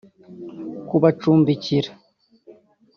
kubacumbikira